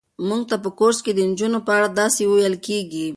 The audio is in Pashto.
موږ ته په کورس کې د نجونو په اړه داسې ویل کېږي.